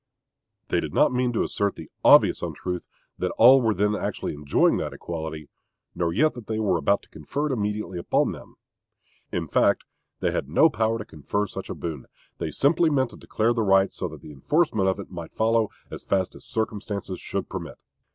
They did not mean to assert the obvious untruth that all were then actually enjoying that equality, nor yet that they were about to confer it immediately upon them. In fact they had no power to confer such a boon. They meant simply to declare the right, so that the enforcement of it might follow as fast as circumstances should permit.